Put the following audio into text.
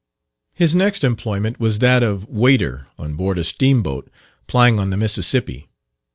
His next employment was that of waiter on board a steam boat plying on the Mississippi.